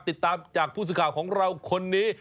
ติดตามจากผู้สื่อข่าวของเราคนนี้